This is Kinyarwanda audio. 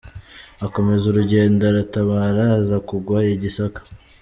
Akomeza urugendo aratabara aza kugwa i Gisaka.